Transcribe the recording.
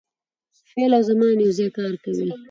فعل او زمان یو ځای کار کوي.